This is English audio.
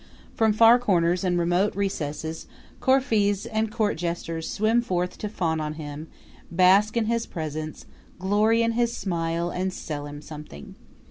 From far corners and remote recesses coryphees and court jesters swarm forth to fawn on him, bask in his presence, glory in his smile and sell him something.